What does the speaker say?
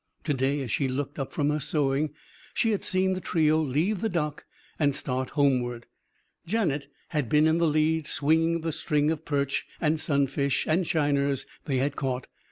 To day, as she looked up from her sewing, she had seen the trio leave the dock and start homeward. Janet had been in the lead; swinging the string of perch and sunfish and shiners they had caught.